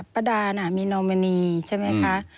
ป้าดาน่ะมีโนมันีใช่ไหมคะ